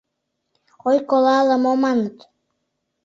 — Ой, кола ала-мо? — маныт.